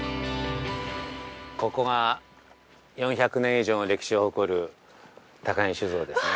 ◆ここが、４００年以上の歴史を誇る高木酒造ですね。